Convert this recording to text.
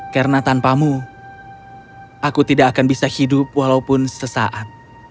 karena tanpamu aku tidak akan bisa hidup walaupun sesaat